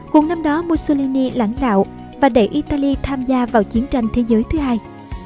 cùng năm đó mussolini lãnh đạo và đẩy italy tham gia vào chiến tranh thế giới thứ hai